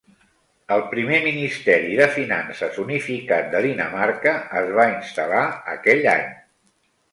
El primer Ministeri de Finances unificat de Dinamarca es va instal·lar aquell any.